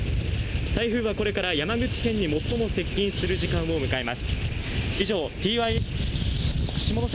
台風はこれから山口県に最も接近する時間を迎えます。